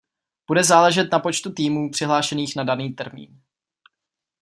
Bude záležet na počtu týmů přihlášených na daný termín.